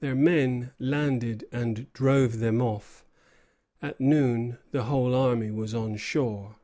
Their men landed and drove them off. At noon the whole army was on shore.